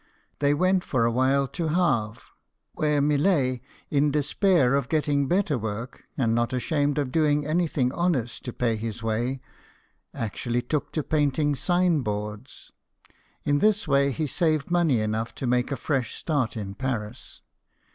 They went for a while to Havre, where Millet, in despair of getting better work, and not ashamed of doing anything honest to pay his way, actually took to painting sign boards. In this way he saved money enough to make a fresh start in Paris.